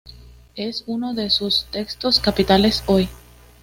Es uno de sus textos capitales hoy.